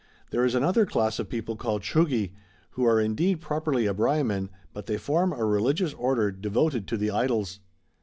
There is another class of people called ChugJii^ who are indeed properly Abraiaman, but they form a religious order devoted to the Idols.